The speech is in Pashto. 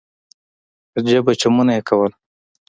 عجيبه چمونه يې کول.